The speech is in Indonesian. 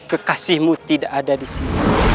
kekasihmu tidak ada disini